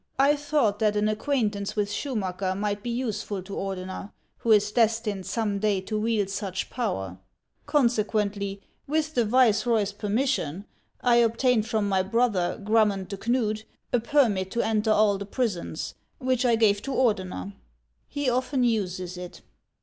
I thought that an acquaintance with Schumacker might be useful to Ordener, who is destined some day to wield such power ; consequently, with the viceroy's permission, I obtained from my brother, Grum mond de Knud, a permit to enter all the prisons, which I gave to Ordener. He often uses it."